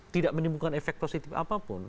tidak menimbulkan efek positif apapun